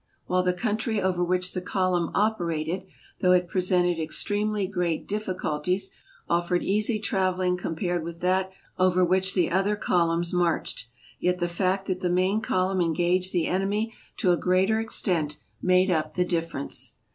While the country over which the column oper ated, though it presented extremely great diffi culties, offered easy traveling compared with that over which the other columns marched, yet the fact that the main column engaged the enemy to a greater extent, made up the difference.